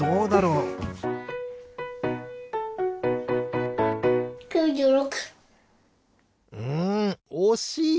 うんおしい！